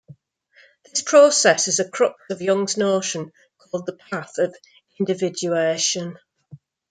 This process is the crux of Jung's notion called the path of individuation.